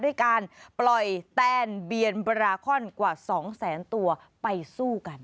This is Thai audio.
ด้วยการปล่อยแตนเบียนบราคอนกว่า๒แสนตัวไปสู้กัน